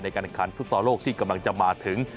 ในการการฟุตซอร์โลกที่กำลังจะมาถึง